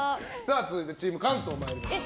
続いてチーム関東参りましょう。